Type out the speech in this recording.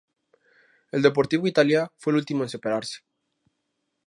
El Deportivo Italia fue el último en separarse.